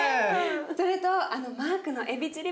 それとあのマークのエビチリ